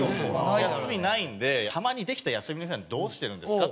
休みないんで「たまにできた休みの日はどうしてるんですか？」